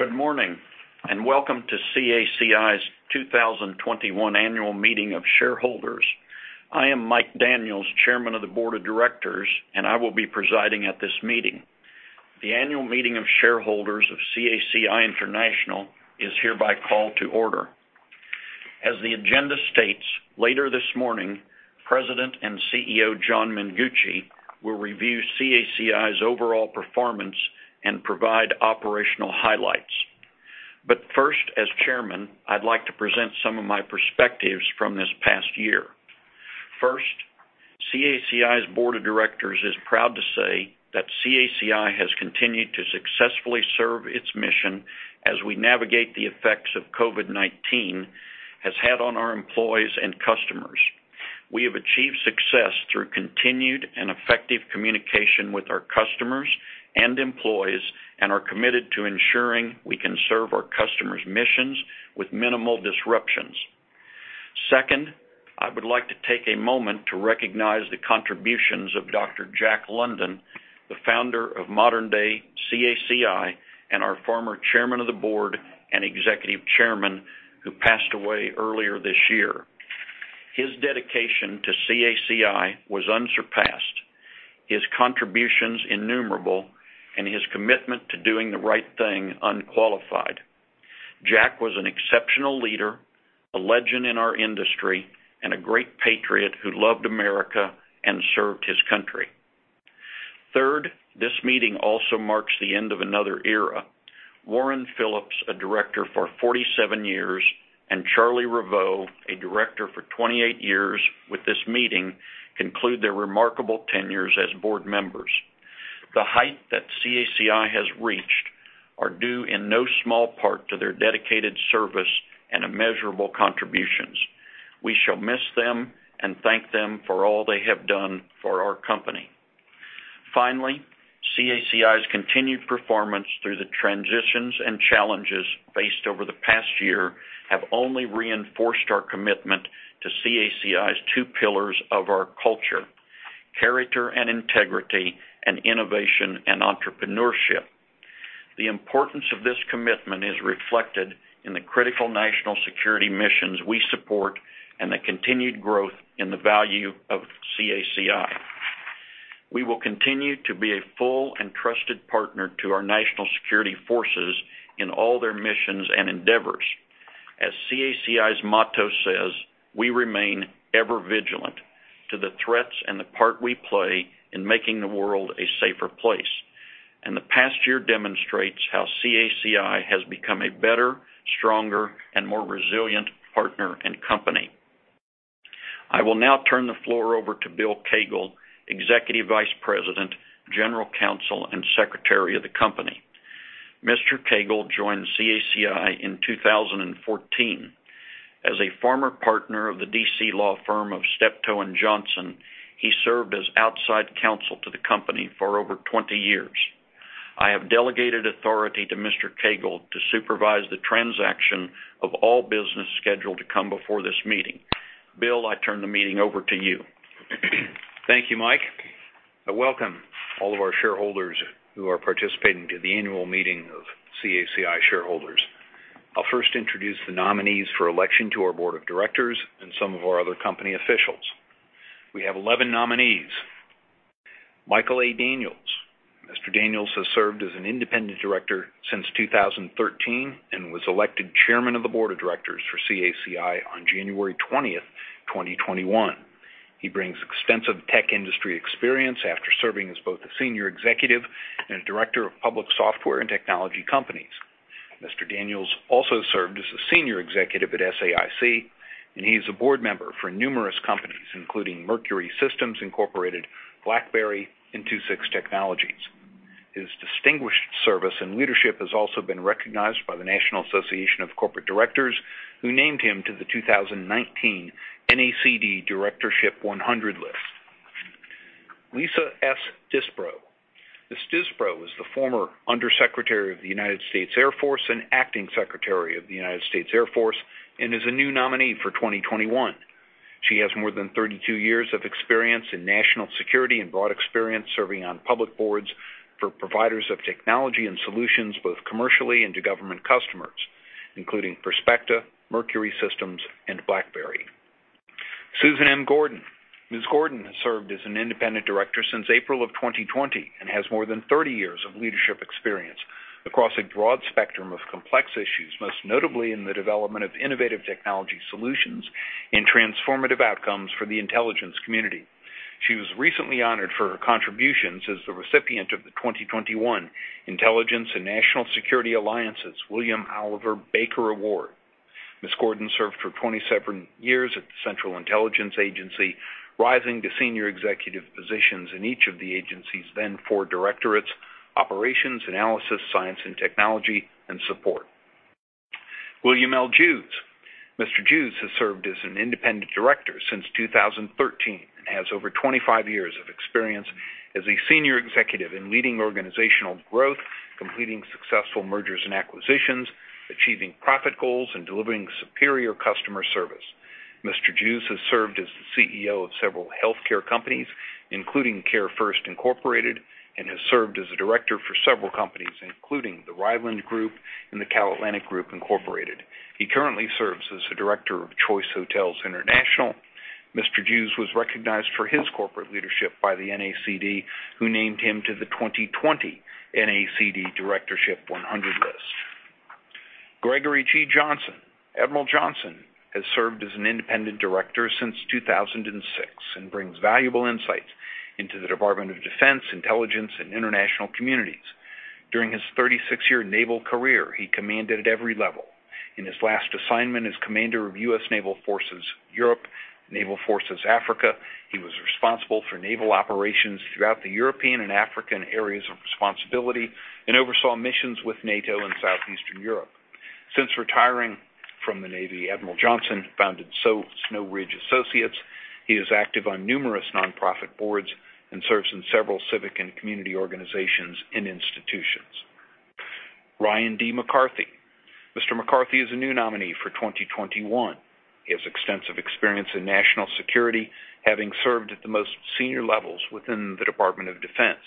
Good morning, and welcome to CACI's 2021 Annual Meeting of Shareholders. I am Mike Daniels, Chairman of the Board of Directors, and I will be presiding at this meeting. The Annual Meeting of Shareholders of CACI International is hereby called to order. As the agenda states, later this morning, President and CEO John Mengucci will review CACI's overall performance and provide operational highlights. But first, as Chairman, I'd like to present some of my perspectives from this past year. First, CACI's Board of Directors is proud to say that CACI has continued to successfully serve its mission as we navigate the effects of COVID-19 has had on our employees and customers. We have achieved success through continued and effective communication with our customers and employees and are committed to ensuring we can serve our customers' missions with minimal disruptions. Second, I would like to take a moment to recognize the contributions of Dr. Jack London, the founder of modern-day CACI and our former Chairman of the Board and Executive Chairman, who passed away earlier this year. His dedication to CACI was unsurpassed, his contributions innumerable, and his commitment to doing the right thing unqualified. Jack was an exceptional leader, a legend in our industry, and a great patriot who loved America and served his country. Third, this meeting also marks the end of another era. Warren Phillips, a director for 47 years, and Charlie Revoile, a director for 28 years with this meeting, conclude their remarkable tenures as board members. The height that CACI has reached is due in no small part to their dedicated service and immeasurable contributions. We shall miss them and thank them for all they have done for our company. Finally, CACI's continued performance through the transitions and challenges faced over the past year have only reinforced our commitment to CACI's two pillars of our culture: character and integrity, and innovation and entrepreneurship. The importance of this commitment is reflected in the critical national security missions we support and the continued growth in the value of CACI. We will continue to be a full and trusted partner to our national security forces in all their missions and endeavors. As CACI's motto says, "We remain ever vigilant to the threats and the part we play in making the world a safer place," and the past year demonstrates how CACI has become a better, stronger, and more resilient partner and company. I will now turn the floor over to Bill Koegel, Executive Vice President, General Counsel, and Secretary of the Company. Mr. Koegel joined CACI in 2014. As a former partner of the D.C. law firm of Steptoe & Johnson, he served as outside counsel to the company for over 20 years. I have delegated authority to Mr. Koegel to supervise the transaction of all business scheduled to come before this meeting. Bill, I turn the meeting over to you. Thank you, Mike. Welcome all of our shareholders who are participating in the annual meeting of CACI shareholders. I'll first introduce the nominees for election to our Board of Directors and some of our other company officials. We have 11 nominees. Michael A. Daniels. Mr. Daniels has served as an independent director since 2013 and was elected Chairman of the Board of Directors for CACI on January 20, 2021. He brings extensive tech industry experience after serving as both a senior executive and a director of public software and technology companies. Mr. Daniels also served as a senior executive at SAIC, and he is a board member for numerous companies, including Mercury Systems Incorporated, BlackBerry, and 26 Technologies. His distinguished service and leadership has also been recognized by the National Association of Corporate Directors, who named him to the 2019 NACD Directorship 100 list. Lisa S. Disbrow. Ms. Disbrow is the former Undersecretary of the United States Air Force and Acting Secretary of the United States Air Force and is a new nominee for 2021. She has more than 32 years of experience in national security and broad experience serving on public boards for providers of technology and solutions both commercially and to government customers, including Perspecta, Mercury Systems, and BlackBerry. Susan M. Gordon. Ms. Gordon has served as an independent director since April of 2020 and has more than 30 years of leadership experience across a broad spectrum of complex issues, most notably in the development of innovative technology solutions and transformative outcomes for the intelligence community. She was recently honored for her contributions as the recipient of the 2021 Intelligence and National Security Alliance's William Oliver Baker Award. Ms. Gordon served for 27 years at the Central Intelligence Agency, rising to senior executive positions in each of the agency's then four directorates: Operations, Analysis, Science and Technology, and Support. William L. Jews. Mr. Jews has served as an independent director since 2013 and has over 25 years of experience as a senior executive in leading organizational growth, completing successful mergers and acquisitions, achieving profit goals, and delivering superior customer service. Mr. Jews has served as the CEO of several healthcare companies, including CareFirst Incorporated, and has served as a director for several companies, including the Ryland Group and the CalAtlantic Group Incorporated. He currently serves as the director of Choice Hotels International. Mr. Jews was recognized for his corporate leadership by the NACD, who named him to the 2020 NACD Directorship 100 list. Gregory G. Johnson. Admiral Johnson has served as an independent director since 2006 and brings valuable insights into the Department of Defense, Intelligence, and international communities. During his 36-year naval career, he commanded at every level. In his last assignment as Commander of U.S. Naval Forces Europe, Naval Forces Africa, he was responsible for naval operations throughout the European and African areas of responsibility and oversaw missions with NATO and Southeastern Europe. Since retiring from the Navy, Admiral Johnson founded Snow Ridge Associates. He is active on numerous nonprofit boards and serves in several civic and community organizations and institutions. Ryan D. McCarthy. Mr. McCarthy is a new nominee for 2021. He has extensive experience in national security, having served at the most senior levels within the Department of Defense.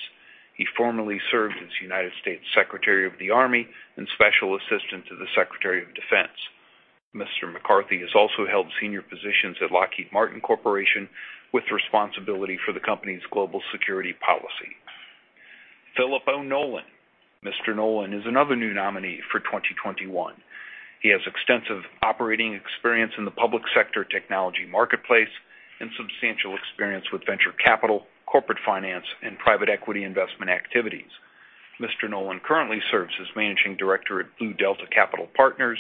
He formerly served as United States Secretary of the Army and Special Assistant to the Secretary of Defense. Mr. McCarthy has also held senior positions at Lockheed Martin Corporation with responsibility for the company's global security policy. Philip O. Nolan. Mr. Nolan is another new nominee for 2021. He has extensive operating experience in the public sector technology marketplace and substantial experience with venture capital, corporate finance, and private equity investment activities. Mr. Nolan currently serves as Managing Director at Blue Delta Capital Partners,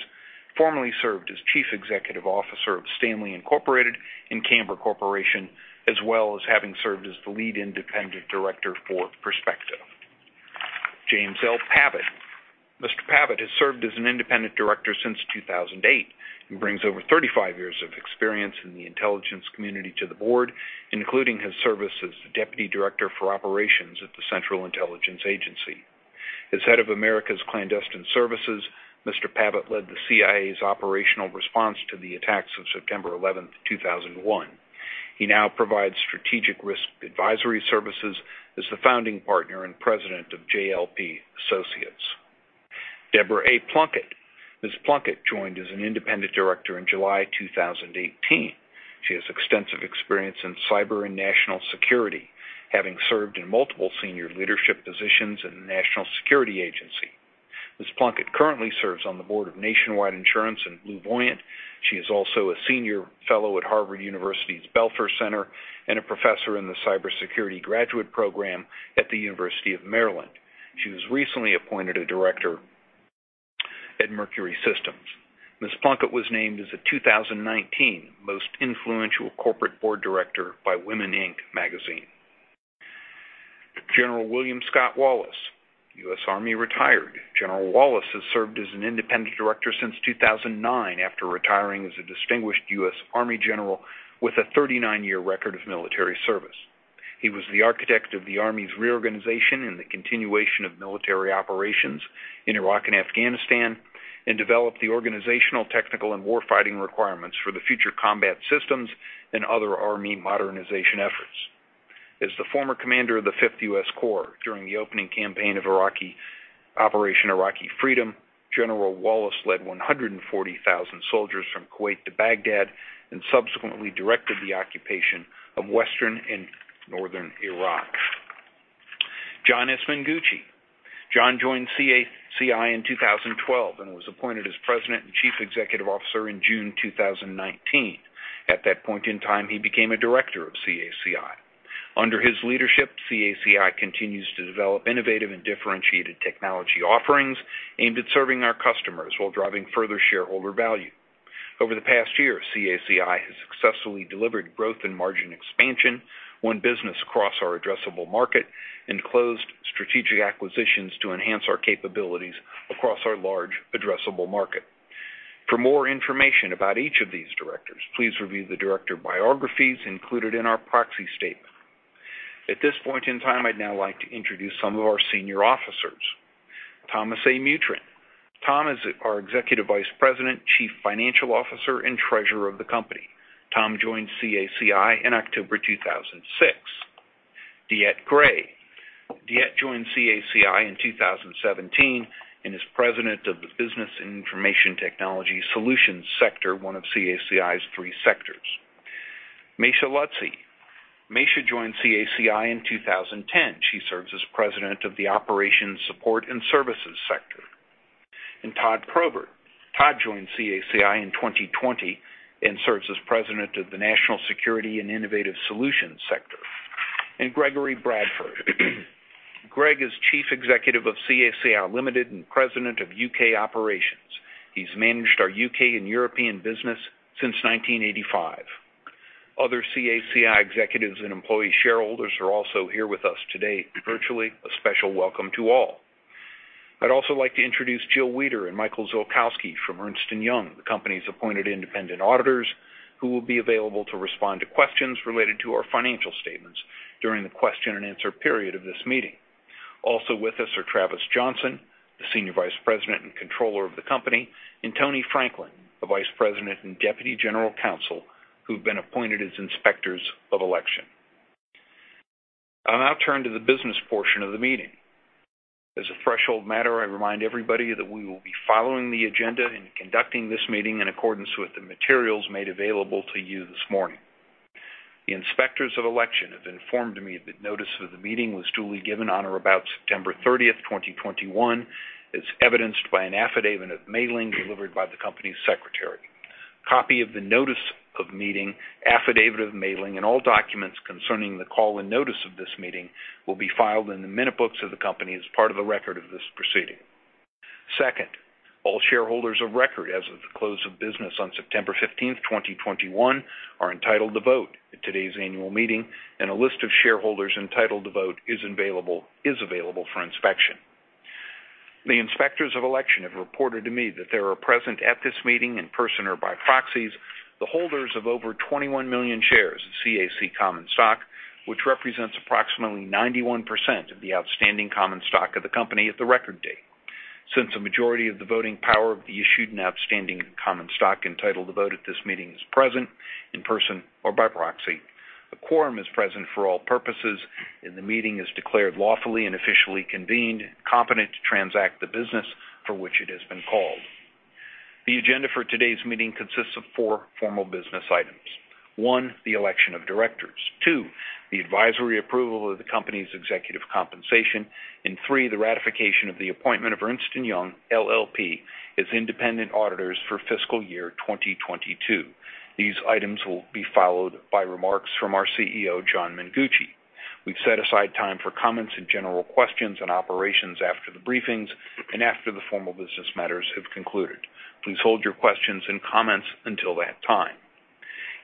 formerly served as Chief Executive Officer of Stanley, Inc. and Camber Corporation, as well as having served as the lead independent director for Perspecta. James L. Pavitt. Mr. Pavitt has served as an independent director since 2008 and brings over 35 years of experience in the intelligence community to the board, including his service as Deputy Director for Operations at the Central Intelligence Agency. As Head of America's Clandestine Services, Mr. Pavitt led the CIA's operational response to the attacks of September 11, 2001. He now provides strategic risk advisory services as the founding partner and president of JLP Associates. Deborah A. Plunkett. Ms. Plunkett joined as an independent director in July 2018. She has extensive experience in cyber and national security, having served in multiple senior leadership positions in the National Security Agency. Ms. Plunkett currently serves on the board of Nationwide Insurance and BlueVoyant. She is also a senior fellow at Harvard University's Belfer Center and a professor in the Cybersecurity Graduate Program at the University of Maryland. She was recently appointed a director at Mercury Systems. Ms. Plunkett was named as a 2019 Most Influential Corporate Board Director by WomenInc. Magazine. General William Scott Wallace, U.S. Army retired. General Wallace has served as an independent director since 2009 after retiring as a distinguished U.S. Army General with a 39-year record of military service. He was the architect of the Army's reorganization and the continuation of military operations in Iraq and Afghanistan and developed the organizational, technical, and warfighting requirements for the Future Combat Systems and other Army modernization efforts. As the former commander of the 5th U.S. Corps during the opening campaign of Operation Iraqi Freedom, General Wallace led 140,000 soldiers from Kuwait to Baghdad and subsequently directed the occupation of western and northern Iraq. John S. Mengucci. John joined CACI in 2012 and was appointed as President and Chief Executive Officer in June 2019. At that point in time, he became a director of CACI. Under his leadership, CACI continues to develop innovative and differentiated technology offerings aimed at serving our customers while driving further shareholder value. Over the past year, CACI has successfully delivered growth and margin expansion, won business across our addressable market, and closed strategic acquisitions to enhance our capabilities across our large addressable market. For more information about each of these directors, please review the director biographies included in our proxy statement. At this point in time, I'd now like to introduce some of our senior officers. Thomas A. Mutryn. Tom is our Executive Vice President, Chief Financial Officer, and Treasurer of the company. Tom joined CACI in October 2006. DeEtte Gray. DeEtte joined CACI in 2017 and is President of the Business and Information Technology Solutions Sector, one of CACI's three sectors. Meisha Lutsey. Meisha joined CACI in 2010. She serves as President of the Operations, Support, and Services Sector. And Todd Probert. Todd joined CACI in 2020 and serves as President of the National Security and Innovative Solutions Sector. Gregory R. Bradford. Greg is Chief Executive of CACI Limited and President of UK Operations. He's managed our UK and European business since 1985. Other CACI executives and employee shareholders are also here with us today virtually. A special welcome to all. I'd also like to introduce Jill Weader and Michael Zilkowski from Ernst & Young, the company's appointed independent auditors, who will be available to respond to questions related to our financial statements during the question and answer period of this meeting. Also with us are Travis Johnson, the Senior Vice President and Controller of the company, and Tony Franklin, the Vice President and Deputy General Counsel, who've been appointed as inspectors of election. I'll now turn to the business portion of the meeting. As a threshold matter, I remind everybody that we will be following the agenda and conducting this meeting in accordance with the materials made available to you this morning. The inspectors of election have informed me that notice of the meeting was duly given on or about September 30, 2021, as evidenced by an affidavit of mailing delivered by the company's secretary. A copy of the notice of meeting, affidavit of mailing, and all documents concerning the call and notice of this meeting will be filed in the minute books of the company as part of the record of this proceeding. Second, all shareholders of record as of the close of business on September 15, 2021, are entitled to vote at today's annual meeting, and a list of shareholders entitled to vote is available for inspection. The inspectors of election have reported to me that there are present at this meeting in person or by proxies the holders of over 21 million shares of CACI Common Stock, which represents approximately 91% of the outstanding common stock of the company at the record date. Since a majority of the voting power of the issued and outstanding common stock entitled to vote at this meeting is present in person or by proxy, a quorum is present for all purposes, and the meeting is declared lawfully and officially convened, competent to transact the business for which it has been called. The agenda for today's meeting consists of four formal business items. One, the election of directors. Two, the advisory approval of the company's executive compensation. And three, the ratification of the appointment of Ernst & Young LLP as independent auditors for fiscal year 2022. These items will be followed by remarks from our CEO, John Mengucci. We've set aside time for comments and general questions on operations after the briefings and after the formal business matters have concluded. Please hold your questions and comments until that time.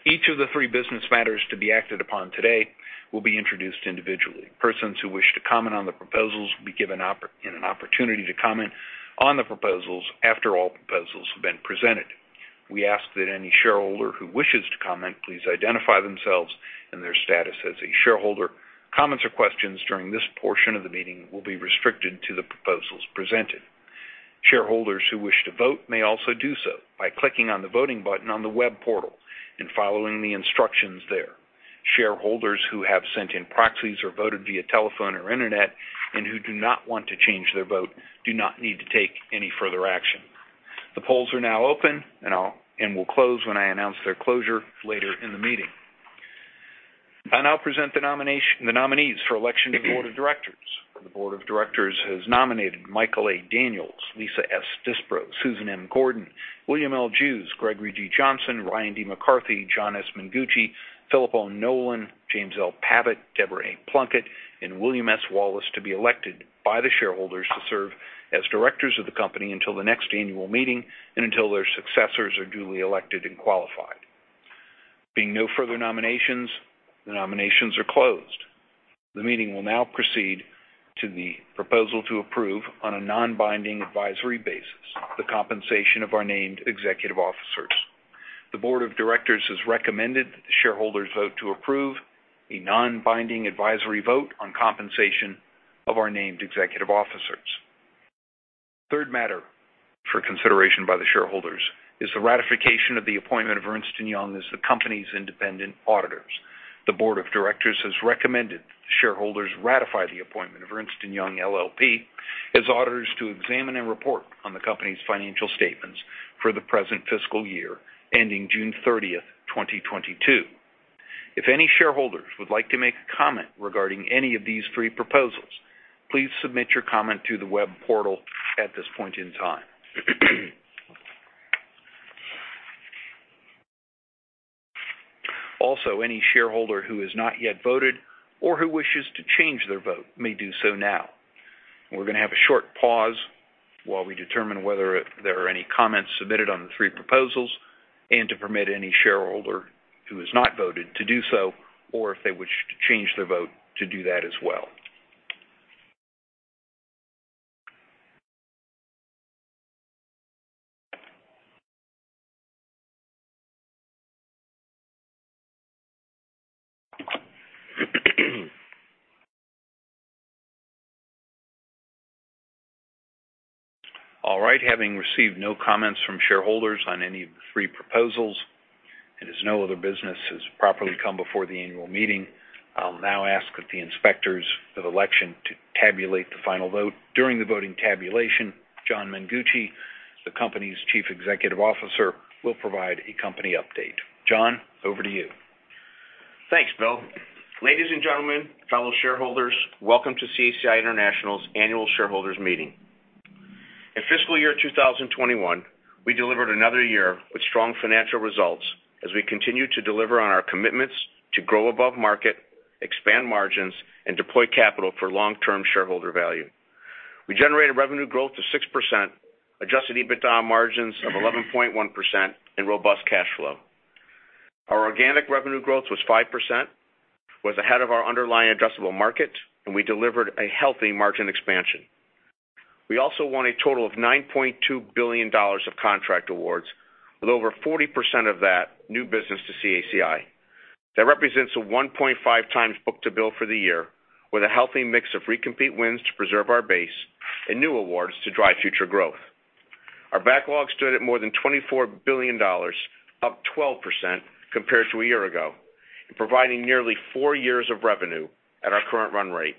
Each of the three business matters to be acted upon today will be introduced individually. Persons who wish to comment on the proposals will be given an opportunity to comment on the proposals after all proposals have been presented. We ask that any shareholder who wishes to comment please identify themselves and their status as a shareholder. Comments or questions during this portion of the meeting will be restricted to the proposals presented. Shareholders who wish to vote may also do so by clicking on the voting button on the web portal and following the instructions there. Shareholders who have sent in proxies or voted via telephone or internet and who do not want to change their vote do not need to take any further action. The polls are now open and will close when I announce their closure later in the meeting. I now present the nominees for election to the Board of Directors. The Board of Directors has nominated Michael A. Daniels, Lisa S. Disbrow, Susan M. Gordon, William L. Jews, Gregory G. Johnson, Ryan D. McCarthy, John S. Mengucci, Philip O. Nolan, James L. Pavitt, Deborah A. Plunkett, and William S. Wallace to be elected by the shareholders to serve as directors of the company until the next annual meeting and until their successors are duly elected and qualified. Being no further nominations, the nominations are closed. The meeting will now proceed to the proposal to approve on a non-binding advisory basis: the compensation of our named executive officers. The Board of Directors has recommended that the shareholders vote to approve a non-binding advisory vote on compensation of our named executive officers. Third matter for consideration by the shareholders is the ratification of the appointment of Ernst & Young as the company's independent auditors. The Board of Directors has recommended that the shareholders ratify the appointment of Ernst & Young LLP as auditors to examine and report on the company's financial statements for the present fiscal year ending June 30, 2022. If any shareholders would like to make a comment regarding any of these three proposals, please submit your comment to the web portal at this point in time. Also, any shareholder who has not yet voted or who wishes to change their vote may do so now. We're going to have a short pause while we determine whether there are any comments submitted on the three proposals and to permit any shareholder who has not voted to do so or if they wish to change their vote to do that as well. All right. Having received no comments from shareholders on any of the three proposals and as no other business has properly come before the annual meeting, I'll now ask that the inspectors of election to tabulate the final vote during the voting tabulation. John Mengucci, the company's Chief Executive Officer, will provide a company update. John, over to you. Thanks, Bill. Ladies and gentlemen, fellow shareholders, welcome to CACI International's annual shareholders meeting. In fiscal year 2021, we delivered another year with strong financial results as we continued to deliver on our commitments to grow above market, expand margins, and deploy capital for long-term shareholder value. We generated revenue growth of 6%, adjusted EBITDA margins of 11.1%, and robust cash flow. Our organic revenue growth was 5%, ahead of our underlying addressable market, and we delivered a healthy margin expansion. We also won a total of $9.2 billion of contract awards, with over 40% of that new business to CACI. That represents a 1.5 times book-to-bill for the year, with a healthy mix of recompete wins to preserve our base and new awards to drive future growth. Our backlog stood at more than $24 billion, up 12% compared to a year ago, providing nearly four years of revenue at our current run rate.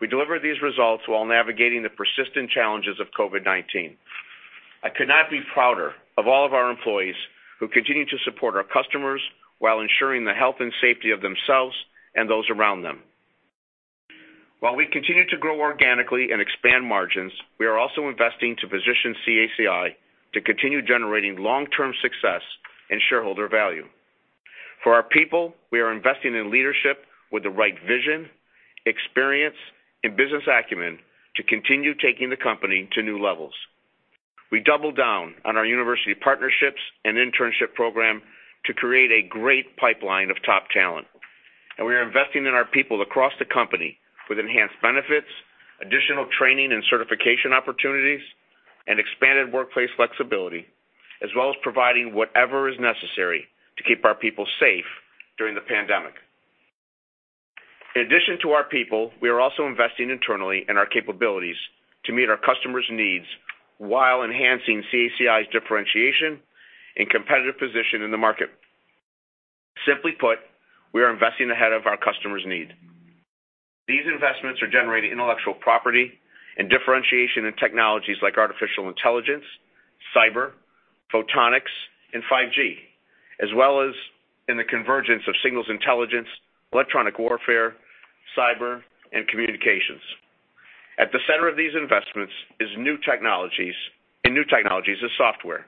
We delivered these results while navigating the persistent challenges of COVID-19. I could not be prouder of all of our employees who continue to support our customers while ensuring the health and safety of themselves and those around them. While we continue to grow organically and expand margins, we are also investing to position CACI to continue generating long-term success and shareholder value. For our people, we are investing in leadership with the right vision, experience, and business acumen to continue taking the company to new levels. We doubled down on our university partnerships and internship program to create a great pipeline of top talent, and we are investing in our people across the company with enhanced benefits, additional training and certification opportunities, and expanded workplace flexibility, as well as providing whatever is necessary to keep our people safe during the pandemic. In addition to our people, we are also investing internally in our capabilities to meet our customers' needs while enhancing CACI's differentiation and competitive position in the market. Simply put, we are investing ahead of our customers' needs. These investments are generating intellectual property and differentiation in technologies like artificial intelligence, cyber, photonics, and 5G, as well as in the convergence of signals intelligence, electronic warfare, cyber, and communications. At the center of these investments is new technologies as software.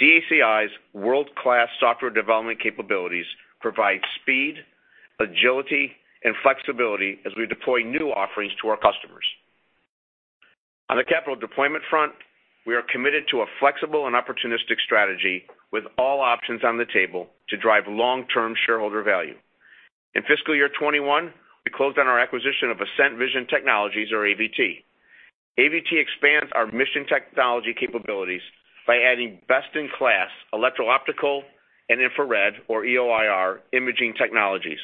CACI's world-class software development capabilities provide speed, agility, and flexibility as we deploy new offerings to our customers. On the capital deployment front, we are committed to a flexible and opportunistic strategy with all options on the table to drive long-term shareholder value. In fiscal year 2021, we closed on our acquisition of Ascent Vision Technologies, or AVT. AVT expands our mission technology capabilities by adding best-in-class electro-optical and infrared, or EO/IR, imaging technologies.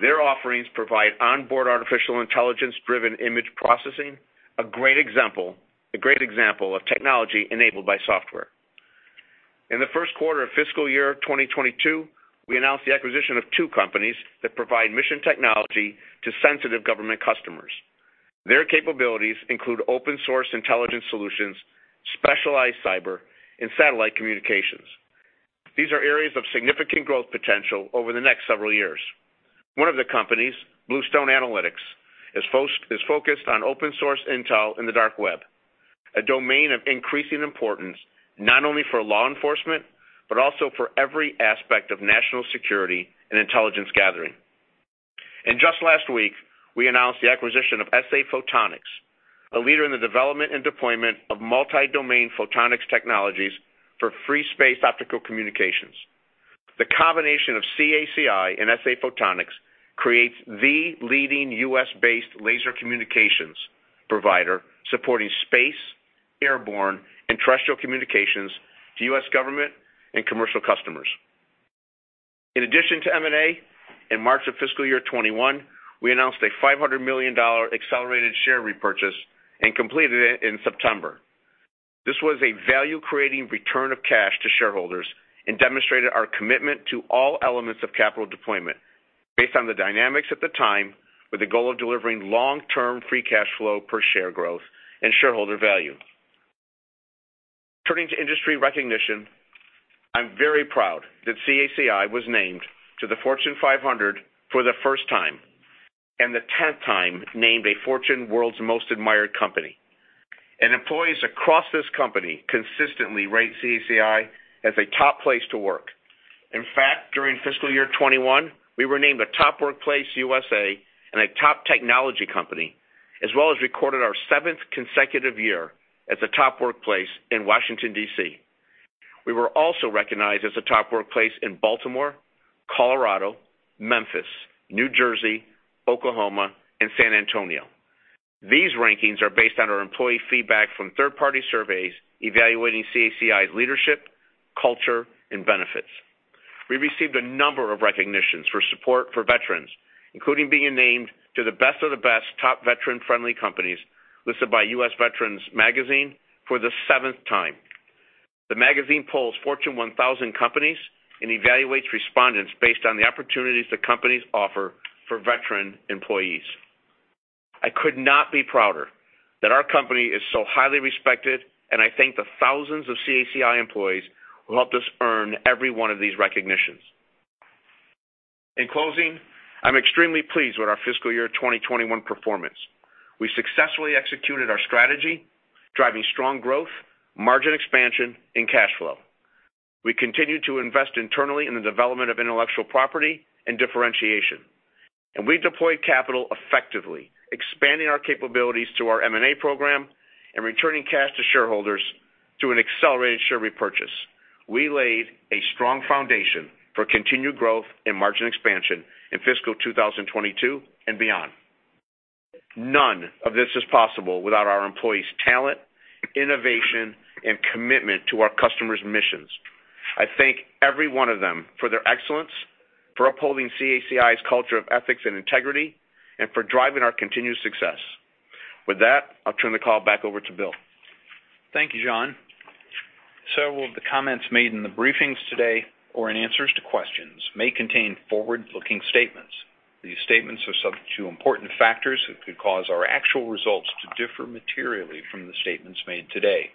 Their offerings provide onboard artificial intelligence-driven image processing, a great example of technology enabled by software. In the first quarter of fiscal year 2022, we announced the acquisition of two companies that provide mission technology to sensitive government customers. Their capabilities include open-source intelligence solutions, specialized cyber, and satellite communications. These are areas of significant growth potential over the next several years. One of the companies, Bluestone Analytics, is focused on open-source intel in the dark web, a domain of increasing importance not only for law enforcement but also for every aspect of national security and intelligence gathering, and just last week, we announced the acquisition of SA Photonics, a leader in the development and deployment of multi-domain photonics technologies for free space optical communications. The combination of CACI and SA Photonics creates the leading U.S.-based laser communications provider supporting space, airborne, and terrestrial communications to U.S. government and commercial customers. In addition to M&A, in March of fiscal year 2021, we announced a $500 million accelerated share repurchase and completed it in September. This was a value-creating return of cash to shareholders and demonstrated our commitment to all elements of capital deployment based on the dynamics at the time with the goal of delivering long-term free cash flow per share growth and shareholder value. Turning to industry recognition, I'm very proud that CACI was named to the Fortune 500 for the first time, and the tenth time named a Fortune World's Most Admired Company, and employees across this company consistently rate CACI as a top place to work. In fact, during fiscal year 2021, we were named a top workplace USA and a top technology company, as well as recorded our seventh consecutive year as a top workplace in Washington, D.C. We were also recognized as a top workplace in Baltimore, Colorado, Memphis, New Jersey, Oklahoma, and San Antonio. These rankings are based on our employee feedback from third-party surveys evaluating CACI's leadership, culture, and benefits. We received a number of recognitions for support for veterans, including being named to the best of the best top veteran-friendly companies listed by U.S. Veterans Magazine for the seventh time. The magazine polls Fortune 1000 companies and evaluates respondents based on the opportunities the companies offer for veteran employees. I could not be prouder that our company is so highly respected, and I thank the thousands of CACI employees who helped us earn every one of these recognitions. In closing, I'm extremely pleased with our fiscal year 2021 performance. We successfully executed our strategy, driving strong growth, margin expansion, and cash flow. We continue to invest internally in the development of intellectual property and differentiation, and we deployed capital effectively, expanding our capabilities through our M&A program and returning cash to shareholders through an accelerated share repurchase. We laid a strong foundation for continued growth and margin expansion in fiscal 2022 and beyond. None of this is possible without our employees' talent, innovation, and commitment to our customers' missions. I thank every one of them for their excellence, for upholding CACI's culture of ethics and integrity, and for driving our continued success. With that, I'll turn the call back over to Bill. Thank you, John. Several of the comments made in the briefings today or in answers to questions may contain forward-looking statements. These statements are subject to important factors that could cause our actual results to differ materially from the statements made today.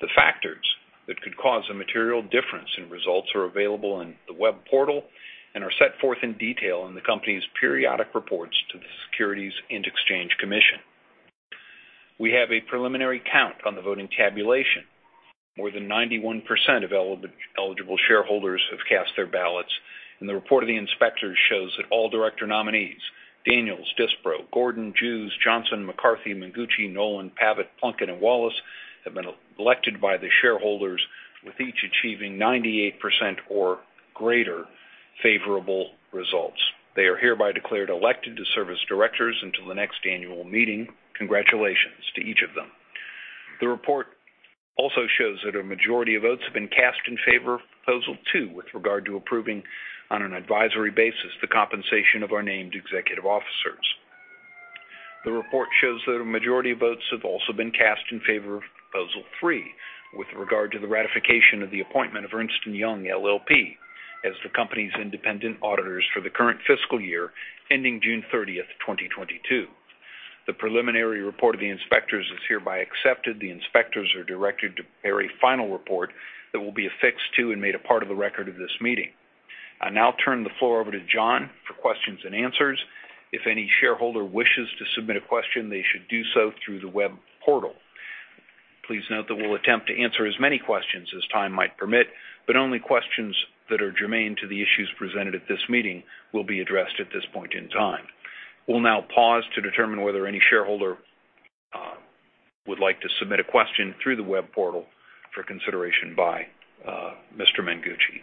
The factors that could cause a material difference in results are available in the web portal and are set forth in detail in the company's periodic reports to the Securities and Exchange Commission. We have a preliminary count on the voting tabulation. More than 91% of eligible shareholders have cast their ballots, and the report of the inspectors shows that all director nominees, Daniels, Disbrow, Gordon, Jews, Johnson, McCarthy, Mengucci, Nolan, Pavitt, Plunkett, and Wallace, have been elected by the shareholders, with each achieving 98% or greater favorable results. They are hereby declared elected to serve as directors until the next annual meeting. Congratulations to each of them. The report also shows that a majority of votes have been cast in favor of proposal two with regard to approving on an advisory basis the compensation of our named executive officers. The report shows that a majority of votes have also been cast in favor of proposal three with regard to the ratification of the appointment of Ernst & Young LLP as the company's independent auditors for the current fiscal year ending June 30, 2022. The preliminary report of the inspectors is hereby accepted. The inspectors are directed to prepare a final report that will be affixed to and made a part of the record of this meeting. I now turn the floor over to John for questions and answers. If any shareholder wishes to submit a question, they should do so through the web portal. Please note that we'll attempt to answer as many questions as time might permit, but only questions that are germane to the issues presented at this meeting will be addressed at this point in time. We'll now pause to determine whether any shareholder would like to submit a question through the web portal for consideration by Mr. Mengucci.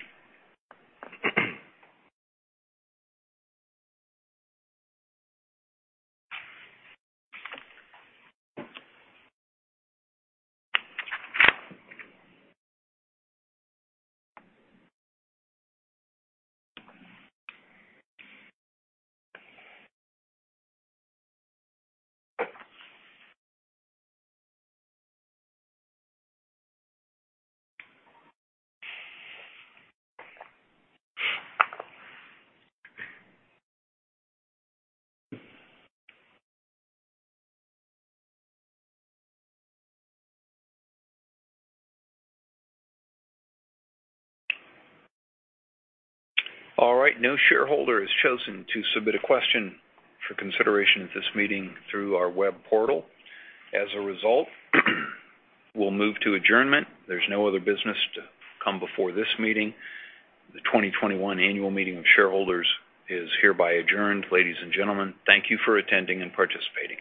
All right. No shareholder has chosen to submit a question for consideration at this meeting through our web portal. As a result, we'll move to adjournment. There's no other business to come before this meeting. The 2021 annual meeting of shareholders is hereby adjourned. Ladies and gentlemen, thank you for attending and participating.